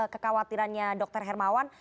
kekhawatirannya dr hermawan